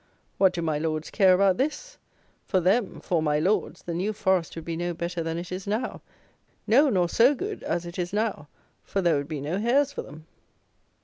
What do "my lords" care about this? For them, for "my lords," the New Forest would be no better than it is now; no, nor so good as it is now; for there would be no hares for them.